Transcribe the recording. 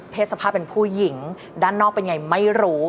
สภาพเป็นผู้หญิงด้านนอกเป็นไงไม่รู้